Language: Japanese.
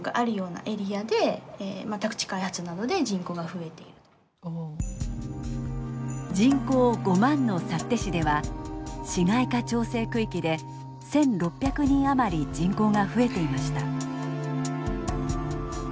見て分かると思うんですけど人口５万の幸手市では市街化調整区域で１，６００人余り人口が増えていました。